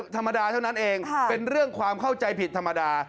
ธรรมดาเท่านั้นเองเป็นเรื่องความเข้าใจผิดธรรมดา